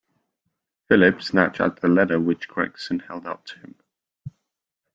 Philip snatched at the letter which Gregson held out to him.